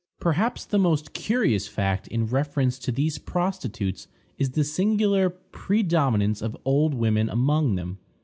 Perhaps the most curious fact in reference to these prostitutes is the singular predominance of old women among them.